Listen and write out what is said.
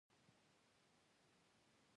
پسه له تودوخې سره مینه لري.